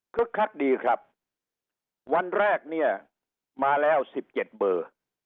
คลักดีครับวันแรกเนี่ยมาแล้ว๑๗เบอร์